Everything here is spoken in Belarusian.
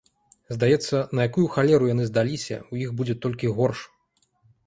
Здаецца, на якую халеру яны здаліся, у іх будзе толькі горш.